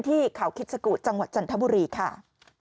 ที่เขาคิดสกุจังหวัดจันทบุรีค่ะ